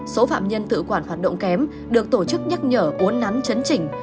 số phạm nhân tự quản hoạt động kém được tổ chức nhắc nhở uốn nắn chấn chỉnh